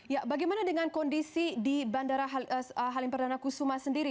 ya bagaimana dengan kondisi di bandara halim perdana kusuma sendiri